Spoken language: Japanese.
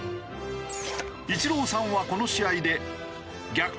イチローさんはこの試合で逆転